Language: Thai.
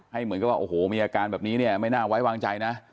เหมือนกับว่าโอ้โหมีอาการแบบนี้เนี่ยไม่น่าไว้วางใจนะ